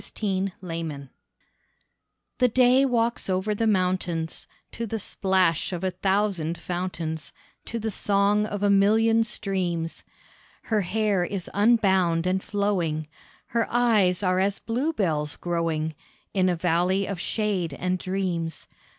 THE DAY The day walks over the mountains, To the splash of a thousand fountains, To the song of a million streams. Her hair is unbound and flowing, Her eyes are as bluebells growing In a valley of shade and dreams.